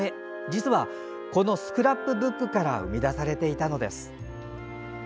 実は、このスクラップブックから生み出されていたのです。